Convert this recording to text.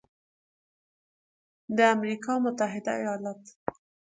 د امریکا متحده ایالات